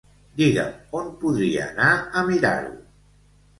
Diga'm on podria anar a mirar-ho.